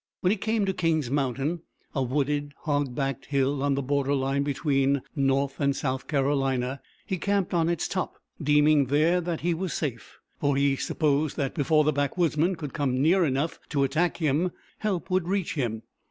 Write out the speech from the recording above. When he came to King's Mountain, a wooded, hog back hill on the border line between North and South Carolina, he camped on its top, deeming that there he was safe, for he supposed that before the backwoodsmen could come near enough to attack him help would reach him.